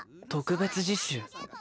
特別実習？